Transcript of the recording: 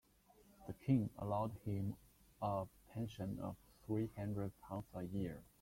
The king allowed him a pension of three hundred pounds a year.